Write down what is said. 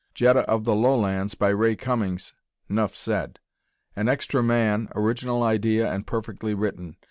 "Jetta of the Lowlands," by Ray Cummings; nuff said. "An Extra Man" original idea and perfectly written.